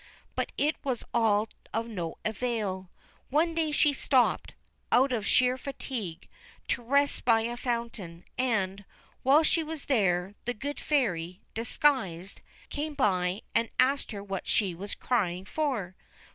But it was all of no avail. One day she stopped, out of sheer fatigue, to rest by a fountain, and, while she was there, the Good Fairy, disguised, came by and asked her what she was crying for.